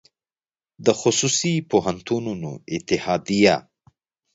د خصوصي پوهنتونونو اتحادیه